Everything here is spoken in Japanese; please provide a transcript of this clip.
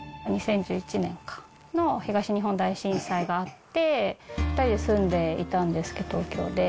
２０１１年の、東日本大震災があって、２人で住んでいたんですけど、東京で。